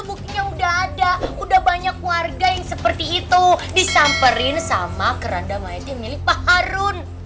bukitnya udah ada udah banyak warga yang seperti itu disamperin sama keranda mayadi milih pak harun